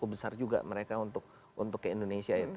cukup besar juga mereka untuk ke indonesia itu